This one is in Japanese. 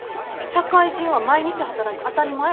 社会人は毎日働いて当たり前。